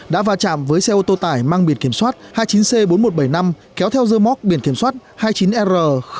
đã vào chạm với xe ô tô tải mang biển kiểm soát hai mươi chín c bốn nghìn một trăm bảy mươi năm kéo theo rơ móc biển kiểm soát hai mươi chín r hai nghìn ba trăm bảy mươi một